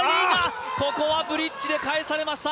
ここはブリッジで返されました、